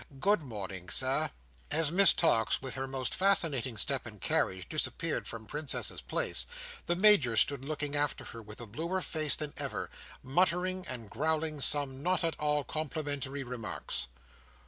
Good morning, Sir!" As Miss Tox, with her most fascinating step and carriage, disappeared from Princess's Place, the Major stood looking after her with a bluer face than ever: muttering and growling some not at all complimentary remarks.